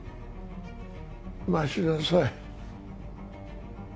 待ちなさい